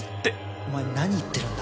お前何言ってるんだ。